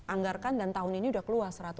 anggarkan dan tahun ini sudah keluar